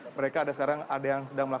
mereka ada sekarang ada yang sedang melakukan